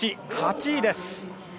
８位です。